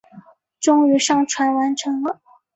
终于上传完成了